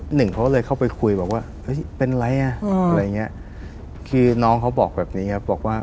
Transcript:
หนึ่งเขาเลยเข้าไปคุยบอกว่าเฮ้ยเป็นไรอ่ะอะไรอย่างเงี้ยคือน้องเขาบอกแบบนี้ครับบอกว่า